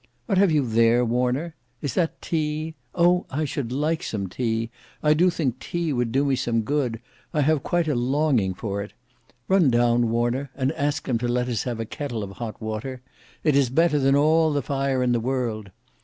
What have you there, Warner? Is that tea? Oh! I should like some tea. I do think tea would do me some good. I have quite a longing for it. Run down, Warner, and ask them to let us have a kettle of hot water. It is better than all the fire in the world.